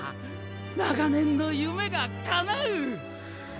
長年の夢がかなう！